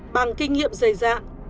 bằng kinh nghiệm dày dạng